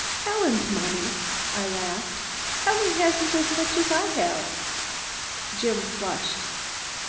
"Helen's money?" I laughed. "Helen hasn't as much as I have." Jim flushed.